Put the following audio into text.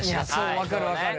そう分かる分かる。